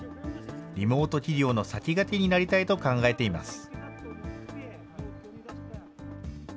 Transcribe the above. リモート起業の先駆けになりたいと考えています。